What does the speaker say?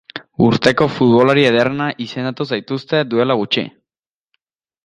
Urteko futbolari ederrena izendatu zaituzte duela gutxi.